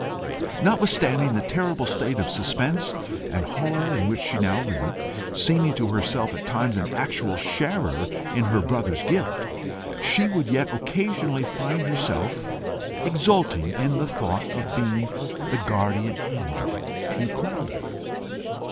Notwithstanding the terrible state of suspense and horror in which she now lived, seeming to herself at times an actual sharer in her brother's guilt, she would yet occasionally find herself exulting in the thought of being the guardian angel he called her.